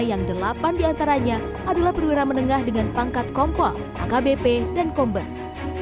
yang delapan diantaranya adalah perwira menengah dengan pangkat kompol akbp dan kombes